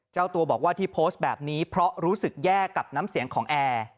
เจ้าตัวบอกว่าที่โพสต์แบบนี้เพราะรู้สึกแย่กับน้ำเสียงของแอร์